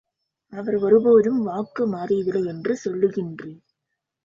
அவர் ஒருபோதும் வாக்கு மாறியதில்லை என்று சொல்லுகின்றீர்.